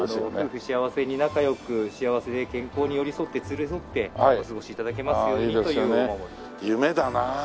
夫婦幸せに仲良く幸せで健康に寄り添って連れ添ってお過ごし頂けますようにというお守りでございます。